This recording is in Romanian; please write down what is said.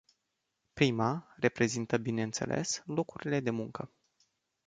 Prima reprezintă, bineînțeles, locurile de muncă.